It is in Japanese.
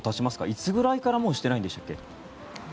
いつぐらいからしていないんでしたっけ？